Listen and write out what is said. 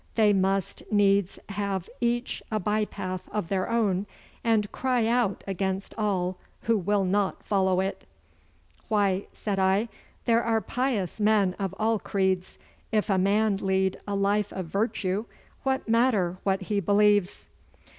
They must needs have each a by path of their own, and cry out against all who will not follow it.' 'Why,' said I, 'there are pious men of all creeds. If a man lead a life of virtue, what matter what he believes?